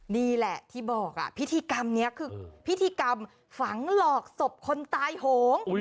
นี่แหละที่บอกพิธีกรรมนี้คือพิธีกรรมฝังหลอกศพคนตายโหง